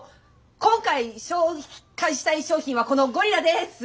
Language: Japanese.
今回しょうかいしたい商品はこのゴリラです。